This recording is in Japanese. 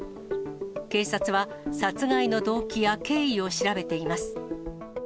警察は、殺害の動機や経緯を調べています。